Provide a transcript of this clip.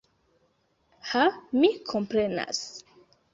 Ha, mi komprenas!